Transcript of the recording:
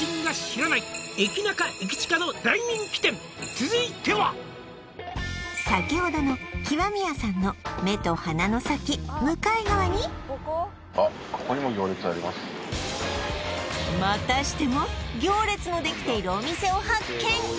「続いては」先ほどの向かい側にまたしても行列のできているお店を発見！